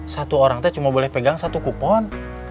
satu orang teh cuma boleh pegang satu kupon